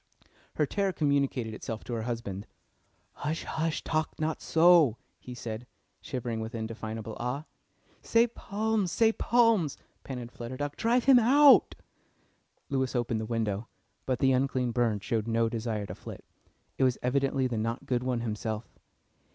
Her terror communicated itself to her husband. "Hush, hush! Talk not so," he said, shivering with indefinable awe. "Say psalms, say psalms!" panted Flutter Duck. "Drive him out." Lewis opened the window, but the unclean bird showed no desire to flit. It was evidently the Not Good One himself.